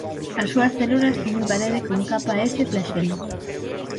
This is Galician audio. As súas células teñen parede con capa S e flaxelos.